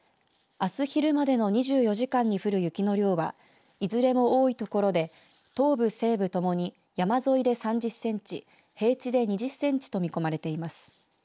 あす昼までの２４時間に降る雪の量はいずれも多い所で東部、西部ともに山沿いで３０センチ平地で２０センチと見込まれています。